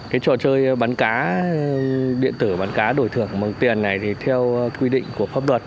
cái trò chơi bắn cá điện tử bắn cá đổi thưởng bằng tiền này thì theo quy định của pháp luật